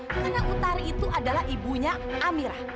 karena utari itu adalah ibunya amira